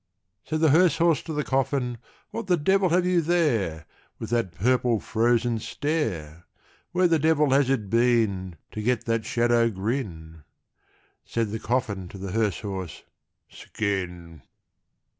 Said the hearse horse to the coffin, "What the devil have you there, With that purple frozen stare? Where the devil has it been To get that shadow grin?" Said the coffin to the hearse horse, "Skin!"